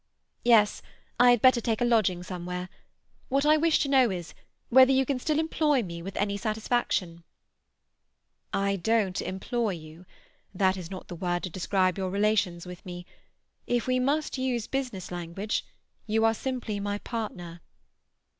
"Yes, I had better take a lodging somewhere. What I wish to know is, whether you can still employ me with any satisfaction?" "I don't employ you. That is not the word to describe your relations with me. If we must use business language, you are simply my partner."